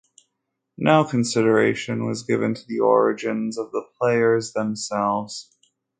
No consideration was given to the origins of the players themselves.